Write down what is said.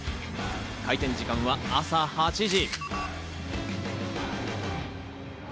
開店時間は朝８時。